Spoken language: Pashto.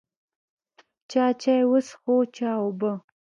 چا چای وڅښو، چا اوبه.